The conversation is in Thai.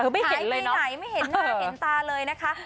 หายไปไหนไม่เห็นหน้าเห็นตาเลยนะคะ